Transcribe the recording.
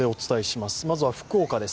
まずは、福岡です。